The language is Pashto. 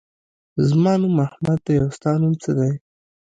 زما نوم احمد دی. او ستا نوم څه دی؟